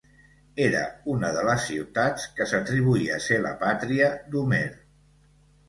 Era una de les ciutats que s'atribuïa ser la pàtria d'Homer.